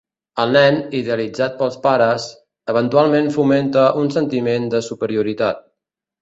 El nen, idealitzat pels pares, eventualment fomenta un sentiment de superioritat.